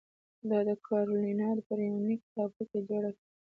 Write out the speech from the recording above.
دا د کارولینا په ریونویک ټاپو کې جوړه کړه.